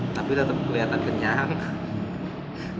tapi tetap kelihatan kenyang